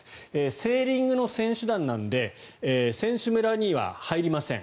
セーリングの選手団なので選手村には入りません。